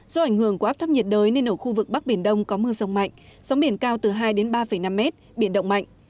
do ảnh hưởng của áp thấp nhiệt đới nên ở khu vực bắc biển đông có mưa rông mạnh sóng biển cao từ hai ba năm mét biển động mạnh